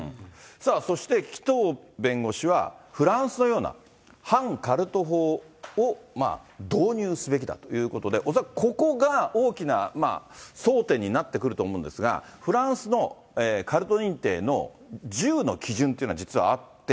さあ、そして、紀藤弁護士はフランスのような反カルト法を導入すべきだということで、恐らくここが大きな争点になってくると思うんですが、フランスのカルト認定の１０の基準っていうのが実はあって。